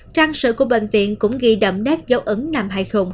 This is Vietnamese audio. trang sự của bệnh viện cũng ghi đậm nét dấu ứng năm hai nghìn hai mươi một